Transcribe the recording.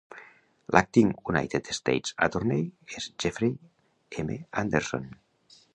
L'Acting United States Attorney és Jeffrey M. Anderson.